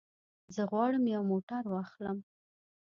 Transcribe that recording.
زه غواړم یو موټر واخلم.